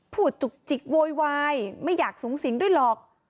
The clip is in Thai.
จุกจิกโวยวายไม่อยากสูงสิงด้วยหรอก